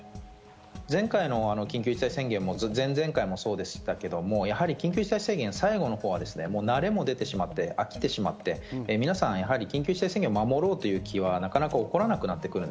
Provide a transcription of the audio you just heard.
前回の緊急事態宣言も、前々回もそうでしたけど、やはり緊急事態宣言、最後のほうは慣れも出てきて飽きてしまって、皆さん、緊急事態宣言を守ろうという気はなかなか起こらなくなってくる。